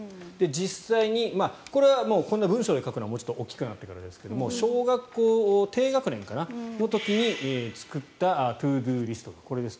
実際にこれは文章で書くのはもうちょっと大きくなってからですが小学校低学年の時に作ったＴｏＤｏリストがこれです。